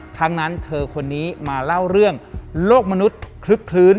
ทั้งนั้นเธอคนนี้มาเล่าเรื่องโลกมนุษย์คลึกคลื้น